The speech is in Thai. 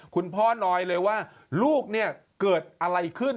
คุณพ่อน้อยเลยว่าลูกเนี่ยเกิดอะไรขึ้น